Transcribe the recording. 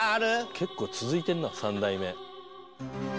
結構続いてんな３代目。